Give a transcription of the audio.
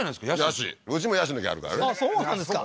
椰子うちも椰子の木あるからねそうなんですか？